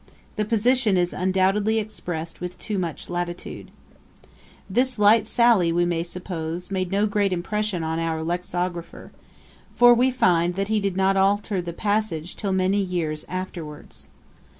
The position is undoubtedly expressed with too much latitude. This light sally, we may suppose, made no great impression on our Lexicographer; for we find that he did not alter the passage till many years afterwards.